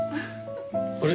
あれ？